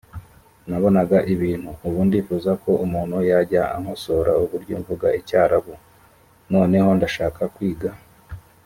nabonaga ibintu. ubu ndifuza ko umuntu yajya ankosora uburyo mvuga icyarabu. noneho ndashaka kwiga